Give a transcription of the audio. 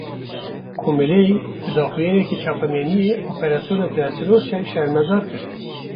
Komeleyê, bi daxuyaniyeke çapameniyê operasyona dersînor şermezar kir